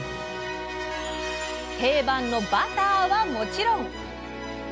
定番のバターはもちろん！